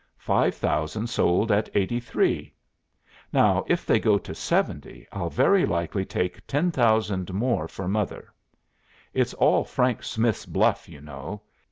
Five thousand sold at 83. Now, if they go to 70, I'll very likely take ten thousand more for mother. It's all Frank Smith's bluff, you know.